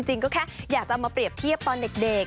ก็แค่อยากจะมาเปรียบเทียบตอนเด็ก